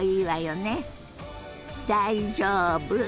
「大丈夫？」。